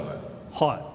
はい。